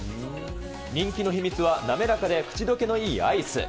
人気の秘密は滑らかで口どけのいいとアイス。